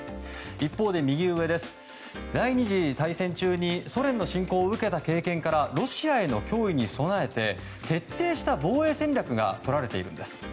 一方で、第２次大戦中にソ連の侵攻を受けた経験からロシアへの脅威に備えて徹底した防衛戦略がとられているんです。